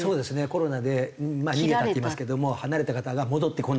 コロナで逃げたって言いますけども離れた方が戻ってこない。